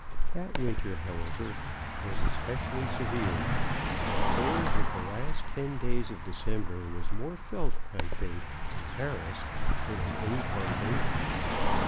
That winter, however, was especially severe, and the cold of the last ten days of December was more felt, I think, in Paris than in any part of England.